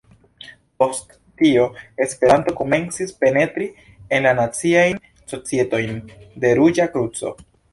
Post tio Esperanto komencis penetri en la naciajn societojn de Ruĝa Kruco.